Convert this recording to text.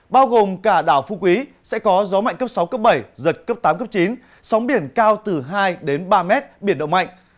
bao gồm cả đảo phú quý sẽ có gió mạnh cấp sáu bảy giật cấp tám chín sóng biển cao từ hai ba m biển động mạnh